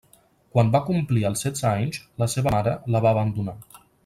Quan va complir els setze anys, la seva mare la va abandonar.